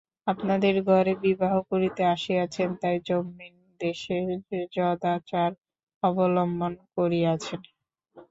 আপনাদের ঘরে বিবাহ করিতে আসিয়াছেন, তাই যস্মিন দেশে যদাচার অবলম্বন করিয়াছেন।